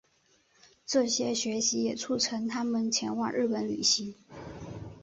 这些学习也促成他前往日本旅行。